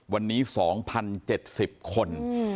วันนี้๒๐๗๐คน